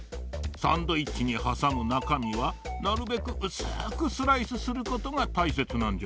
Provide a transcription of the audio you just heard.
サンドイッチにはさむなかみはなるべくうすくスライスすることがたいせつなんじゃよ。